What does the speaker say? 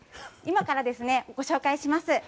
今からご紹介します。